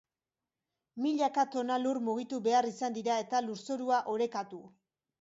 Milaka tona lur mugitu behar izan dira eta lurzorua orekatu.